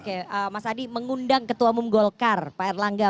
oke mas adi mengundang ketua umum golkar pak erlangga